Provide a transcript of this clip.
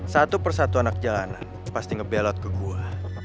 satu persatu anak jalanan pasti ngebelot ke gua